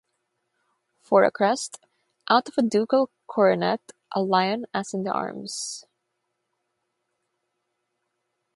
For a crest: out of a ducal coronet a lion as in the arms.